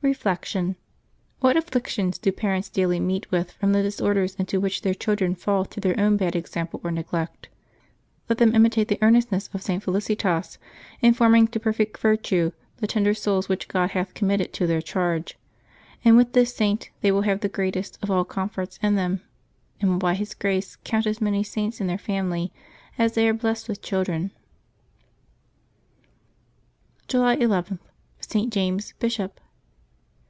Reflection. — What afflictions do parents daily meet with from the disorders into which their children fall through their own bad example or neglect 1 Let them imitate the earnestness of St. Felicitas in forming to perfect virtue the tender souls which God hath committed to their charge, and with this Saint they will have the greatest of all com forts in them, and will by His grace count as many Saints in their family as they are blessed with children. July II.— ST. JAMES, Bishop.